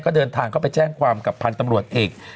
ก็เดินทางเข้าไปแจ้งความกับพันธุ์ตำรวจเอก